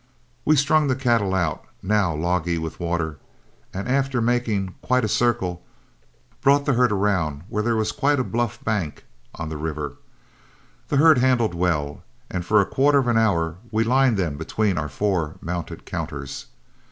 We strung the cattle out, now logy with water, and after making quite a circle, brought the herd around where there was quite a bluff bank of the river. The herd handled well, and for a quarter of an hour we lined them between our four mounted counters.